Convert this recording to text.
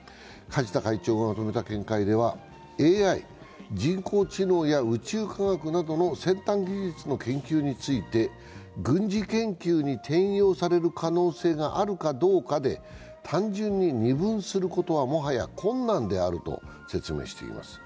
梶田会長がまとめた見解ではＡＩ＝人工知能や宇宙科学などの先端技術の研究について軍事研究に転用される可能性があるかどうかで単純に二分することはもはや困難であると説明しています。